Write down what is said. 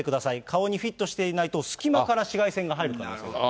顔にフィットしていないと、隙間から紫外線が入るそうです。